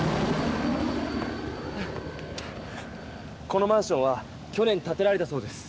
このマンションは去年たてられたそうです。